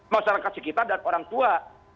masyarakat sekitar dan orang tua